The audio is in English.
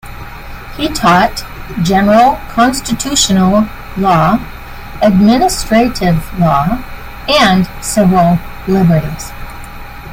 He taught general constitutional law, administrative law and civil liberties.